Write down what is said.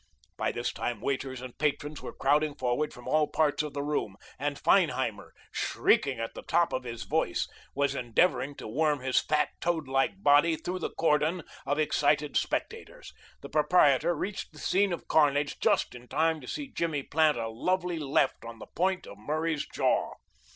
By this time waiters and patrons were crowding forward from all parts of the room, and Feinheimer, shrieking at the top of his voice, was endeavoring to worm his fat, toadlike body through the cordon of excited spectators. The proprietor reached the scene of carnage just in time to see Jimmy plant a lovely left on the point of Murray's jaw.